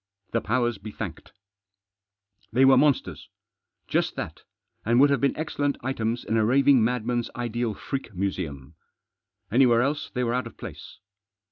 The powers be thanked ! They were monsters ; just that, and would have been excellent items in a raving madman's ideal freak museum. Anywhere else they were out of place.